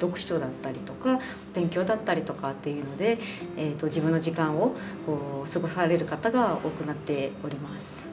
読書だったりとか、勉強だったりとかっていうので、自分の時間を過ごされる方が多くなっております。